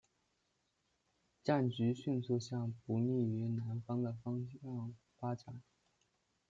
战局迅速向不利于南方的方向发展。